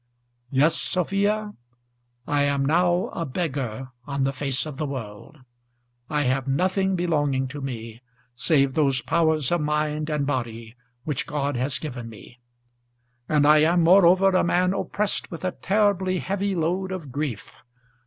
Yes, Sophia, I am now a beggar on the face of the world. I have nothing belonging to me, save those powers of mind and body which God has given me; and I am, moreover, a man oppressed with a terribly heavy load of grief.